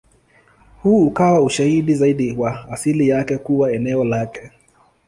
Huu ukawa ushahidi zaidi wa asili yake kuwa eneo lake.